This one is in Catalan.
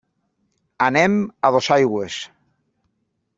Anem a Dosaigües.